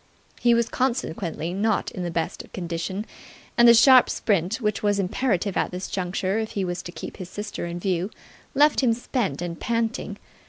He was consequently not in the best of condition, and the sharp sprint which was imperative at this juncture if he was to keep his sister in view left him spent and panting.